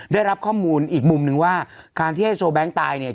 ได้รับข้อมูลอีกมุมนึงว่าการที่ให้โชว์แบงค์ตายเนี่ย